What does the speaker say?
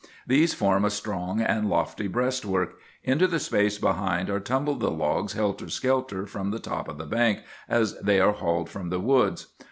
These form a strong and lofty breastwork. Into the space behind are tumbled the logs helter skelter from the top of the bank, as they are hauled from the woods.